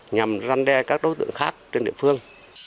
nhằm răn đe các đối tượng khác trên địa phương